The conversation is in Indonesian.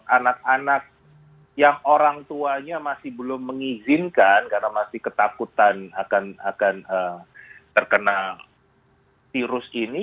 anak anak yang orang tuanya masih belum mengizinkan karena masih ketakutan akan terkena virus ini